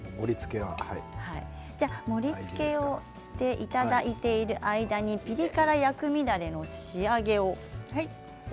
盛りつけをしていただいてる間にピリ辛薬味だれの仕上げを。